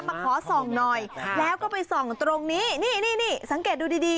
มาขอส่องหน่อยแล้วก็ไปส่องตรงนี้นี่นี่สังเกตดูดีดี